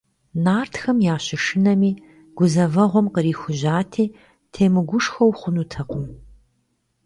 Нартхэм ящышынэми, гузэвэгъуэм кърихужьати, темыгушхуэу хъунутэкъым.